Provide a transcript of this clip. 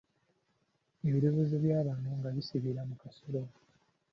Ebirowoozo bya bano nga bisibira mu kasero.